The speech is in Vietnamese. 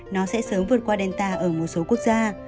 nó sẽ sớm vượt qua delta ở một số quốc gia